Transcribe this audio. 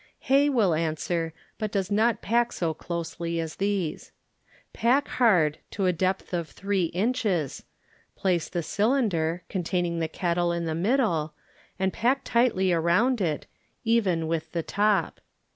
Hay will answer, but does not pack so closely as these. Pack hard to a depth of three inches, place the cylinder, con taining the kettle in the middle, and pack tightly around it, even with the top.